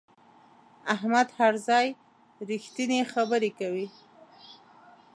احمد هر ځای رښتینې خبره کوي.